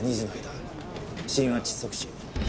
死因は窒息死。